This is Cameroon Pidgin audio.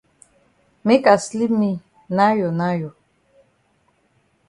Make I sleep me nayo nayo.